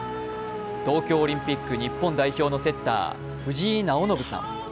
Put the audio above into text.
東京オリンピック日本代表のセッター、藤井直伸さん。